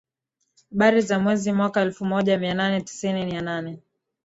Habari za mwezi mwaka elfumoja mianane tisini Nina nne